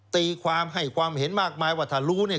ตีความให้ความเห็นมากมายว่าถ้ารู้เนี่ย